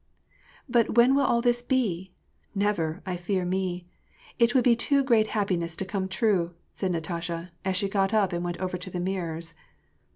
" But when will all this be ? Never, I fear me. It would be too great happiness to come true," said Natasha, as she got up and went over to the mirrors.